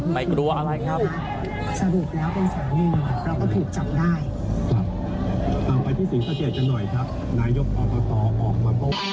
ไม่กลัวอะไรครับ